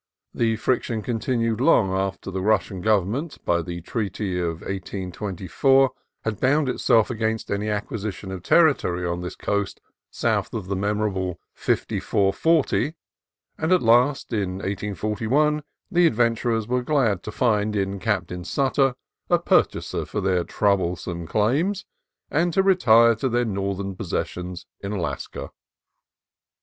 The friction continued long after the Russian Gov ernment, by the treaty of 1824, had bound itself against any acquisition of territory on this coast south of the memorable "fifty four forty"; and at last, in 1841, the adventurers were glad to find in Captain Sutter a purchaser for their troublesome claims, and to retire to their northern possessions in Alaska.